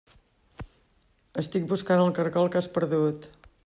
Estic buscant el caragol que has perdut.